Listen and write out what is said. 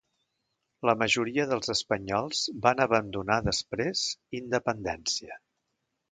La majoria dels espanyols van abandonar després independència.